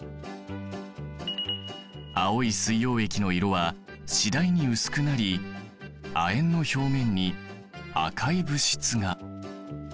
青い水溶液の色は次第に薄くなり亜鉛の表面に赤い物質が。